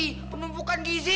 itu bukan gizi